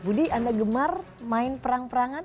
budi anda gemar main perang perangan